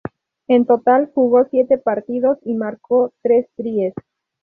En total jugó siete partidos y marcó tres tries.